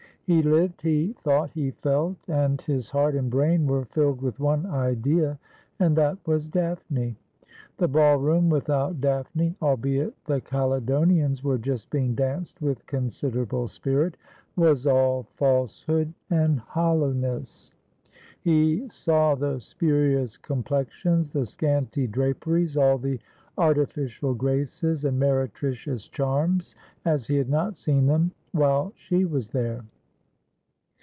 He lived, he thought, he felt ; and his heart and brain were filled with one idea, and that was Daphne. The ball room without Daphne, albeit the Caledonians were just being danced with considerable spirit, was all falsehood and hoUowness. He saw the spurious complexions, the scanty draperies, all the artificial graces and meretricious charms, as he had not seen them while she was there.